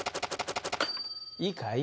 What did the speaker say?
いいかい？